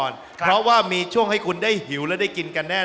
แล้วเราจะเปิดคุณไฟ